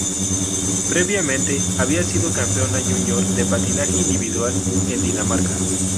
Previamente, había sido campeona junior de patinaje individual en Dinamarca.